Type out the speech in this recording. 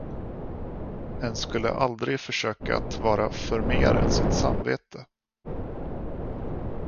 En skulle aldrig försöka att vara för mer än sitt samvete.